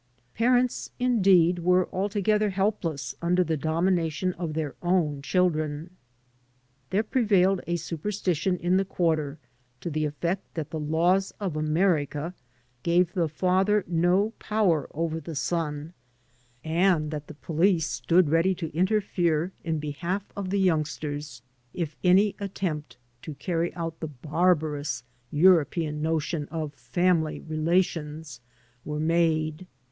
Parents, indeed, were altogether helpless under the domination of their own children. There prevailed a superstition in the quarter to the eflPect that the laws of America gave the father no power over the son, and that the police stood ready to interfere in behalf of the youngsters, if any attempt to carry out the barbarous European notion of family relations were made.